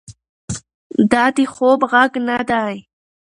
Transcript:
دا د خوب غږ نه دی.